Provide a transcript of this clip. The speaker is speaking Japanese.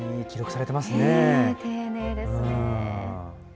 丁寧ですね。